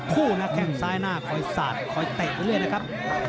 คู่นะแข้งซ้ายหน้าคอยสาดคอยเตะเรื่อยนะครับ